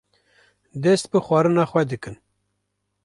dest bi xwarina xwe dikin.